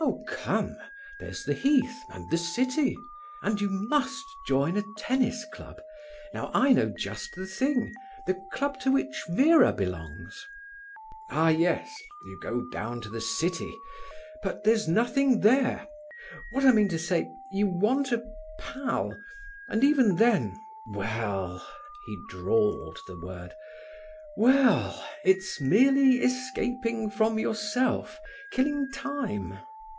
"Oh, come! There's the Heath, and the City—and you must join a tennis club. Now I know just the thing—the club to which Vera belongs." "Ah, yes! You go down to the City—but there's nothing there—what I mean to say—you want a pal—and even then—well"—he drawled the word—"we ell, it's merely escaping from yourself—killing time."